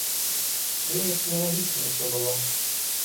Неяк нелагічна ўсё было.